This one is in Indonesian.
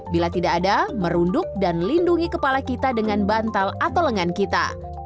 bila tidak ada merunduk dan lindungi kepala kita dengan bantal atau lengan kita